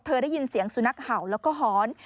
ได้ยินเสียงสุนัขเห่าแล้วก็หอน